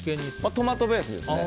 トマトベースですね。